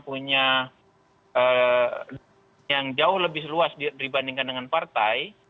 tapi mengingat capres itu pastinya punya yang jauh lebih seluas dibandingkan dengan partai